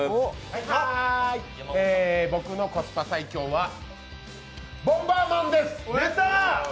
僕のコスパ最強は「ボンバーマン」です。